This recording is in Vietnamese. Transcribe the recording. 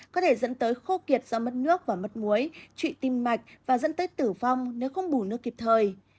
có thể dẫn tới khô kiệt do mất nước và mất muối trụy tim mạch và dẫn tới tử vong nếu không đủ nước kịp thời